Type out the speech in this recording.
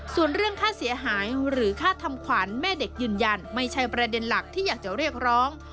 ส่วนเรื่องค่าเสียหายหรือค่าทำขวัญแม่เด็กยืนยันไม่ใช่ประเด็นหลักที่อยากจะเรียกร้อง